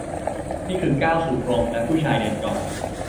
นี่คือก้าวสู่พรมและผู้ชายเดินก่อน